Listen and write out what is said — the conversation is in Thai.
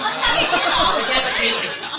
เราเหล่าแต่อะไรเงี้ย